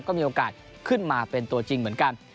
ก็มีโอกาสขึ้นมาเป็นตัวจริงเหมือนกัน